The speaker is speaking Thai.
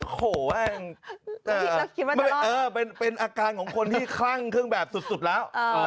โอ้โหเป็นอาการของคนที่คลั่งเครื่องแบบสุดแล้ว